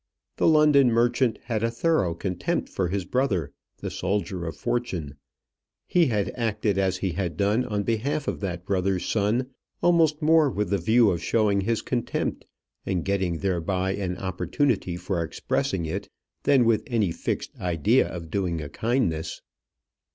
The London merchant had a thorough contempt for his brother, the soldier of fortune: he had acted as he had done on behalf of that brother's son almost more with the view of showing his contempt, and getting thereby an opportunity for expressing it, than with any fixed idea of doing a kindness.